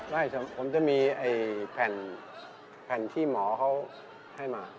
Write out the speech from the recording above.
ไม่ผมจะมีแผ่นที่หมอเขาให้มา